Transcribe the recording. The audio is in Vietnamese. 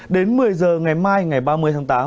đến một mươi giờ ngày mai ngày ba mươi tháng tám